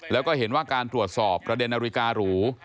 แล้วก็เห็นว่าการตรวจสอบประเด็นนาฬิการู